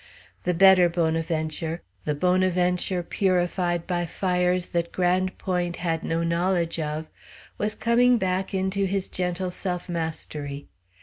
The better Bonaventure the Bonaventure purified by fires that Grande Pointe had no knowledge of was coming back into his gentle self mastery.